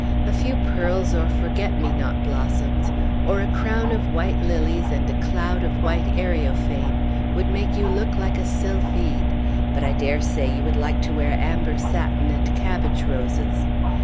A few pearls or forget me not blossoms, or a crown of water lilies and a cloud of white areophane, would make you look a sylphide; but I dare say you would like to wear amber satin and cabbage roses."